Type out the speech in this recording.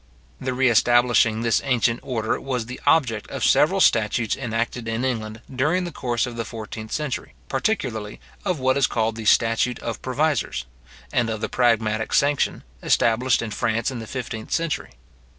The re establishing this ancient order was the object of several statutes enacted in England during the course of the fourteenth century, particularly of what is called the statute of provisors; and of the pragmatic sanction, established in France in the fifteenth century.